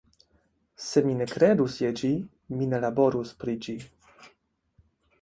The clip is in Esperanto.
Se mi ne kredus je ĝi, mi ne laborus pri ĝi.